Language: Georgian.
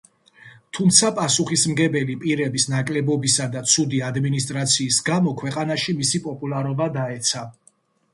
თუმცა, პასუხისმგებელი პირების ნაკლებობისა და ცუდი ადმინისტრაციის გამო ქვეყანაში მისი პოპულარობა დაეცა.